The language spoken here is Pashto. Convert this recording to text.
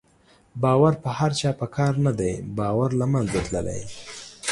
باور په چا په کار نه دی، باور له منځه تللی